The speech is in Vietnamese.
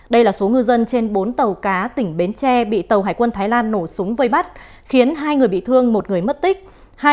đây là số ngư dân trên bốn tàu cá tỉnh bến tre bị tàu hải quân thái lan nổ súng vây bắt khiến hai người bị thương một người mất tích